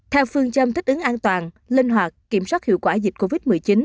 theo phương châm thích ứng an toàn linh hoạt kiểm soát hiệu quả dịch covid một mươi chín